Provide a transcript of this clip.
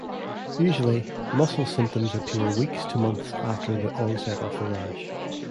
Usually, muscle symptoms appear weeks to months after the onset of the rash.